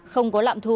không có lạm thu